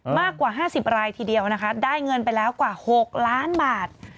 มากกว่า๕๐รายทีเดียวนะคะได้เงินไปแล้วกว่า๖ล้านบาท